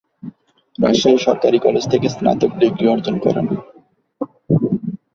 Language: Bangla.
রাজশাহী সরকারি কলেজ থেকে স্নাতক ডিগ্রি অর্জন করেন।